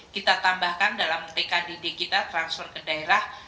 kita tambahkan dalam pkdd kita transfer ke daerah